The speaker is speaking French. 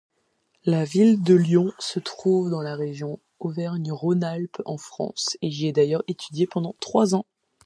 La ville de Lyon se trouve dans la région Auvergne-Rhône-Alpes en France et j'y ai d'ailleurs étudié pendant trois ans